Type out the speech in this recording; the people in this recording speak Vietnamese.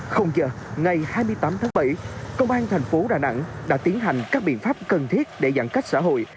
giờ ngày hai mươi tám tháng bảy công an thành phố đà nẵng đã tiến hành các biện pháp cần thiết để giãn cách xã hội